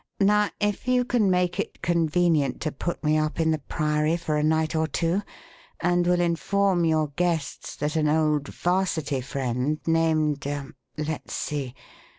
Now if you can make it convenient to put me up in the Priory for a night or two, and will inform your guests that an old 'Varsity friend named er let's see!